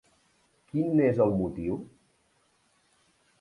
Quin n’és el motiu?